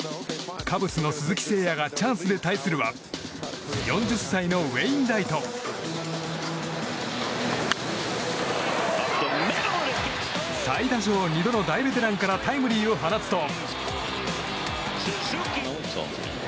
カブスの鈴木誠也がチャンスで対するは４０歳のウェインライト。最多勝２度の大ベテランからタイムリーを放つと。